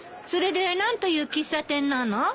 それで何という喫茶店なの？